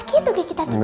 gitu gigi tadi bilang